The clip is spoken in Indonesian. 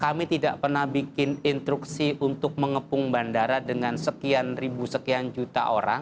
kami tidak pernah bikin instruksi untuk mengepung bandara dengan sekian ribu sekian juta orang